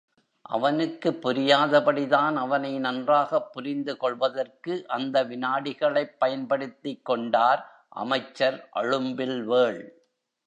அவனுக்குப் புரியாதபடி தான் அவனை நன்றாகப் புரிந்து கொள்வதற்கு அந்த விநாடிகளைப் பயன்படுத்திக் கொண்டார் அமைச்சர் அழும்பில்வேள்.